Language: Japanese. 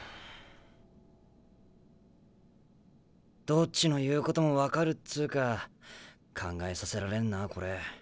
どっちの言うことも分かるっつうか考えさせられんなこれ。